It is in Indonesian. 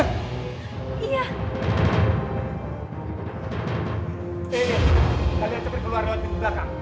eh kalian cepet keluar lewat tinggi belakang